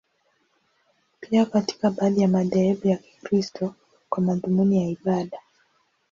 Pia katika baadhi ya madhehebu ya Kikristo, kwa madhumuni ya ibada.